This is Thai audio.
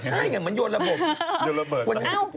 ก็ใช่ไงมันโดนระเบิด